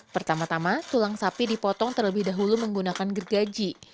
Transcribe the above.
pertama tama tulang sapi dipotong terlebih dahulu menggunakan gergaji